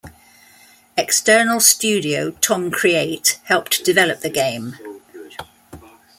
External studio Tom Create helped develop the game.